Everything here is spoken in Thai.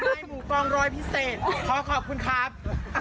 แบบไห้หมู่ปองรอยพิเศษขอขอบคุณครับ